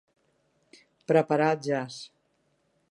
Preparar el jaç.